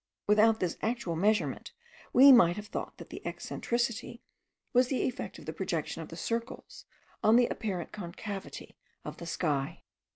Without this actual measurement we might have thought that the excentricity was the effect of the projection of the circles on the apparent concavity of the sky.